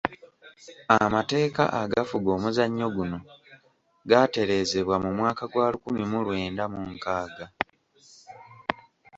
Amateeka agafuga omuzannyo guno gaatereezebwa mu mwaka gwa lukumi mu lwenda mu nkaaga.